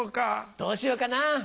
どうしようかな？